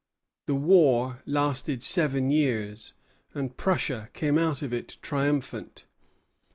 The war lasted seven years, and Prussia came out of it triumphant.